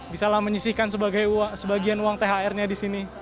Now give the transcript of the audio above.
bisalah menyisihkan sebagian uang thr nya disini